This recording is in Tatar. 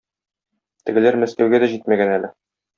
Тегеләр Мәскәүгә дә җитмәгән әле.